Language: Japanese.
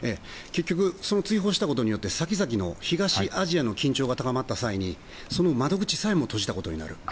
結局、追放したことによって先々の東アジアの緊張が高まった際に窓口さえも閉じたことになる。